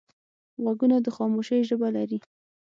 غوږونه د خاموشۍ ژبه لري